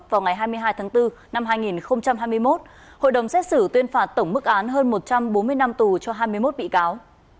tại vòng xoay cầu thuận phước vào ngày hai mươi hai tháng bốn năm hai nghìn hai mươi một hội đồng xét xử tuyên phạt tổng mức án hơn một trăm bốn mươi năm tù cho hai mươi một bị cáo